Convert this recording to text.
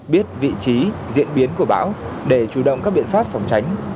biết vị trí diễn biến của bão để chủ động các biện pháp phòng tránh